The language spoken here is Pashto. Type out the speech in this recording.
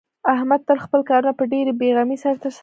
احمد تل خپل کارونه په ډېرې بې غمۍ سره ترسره کوي.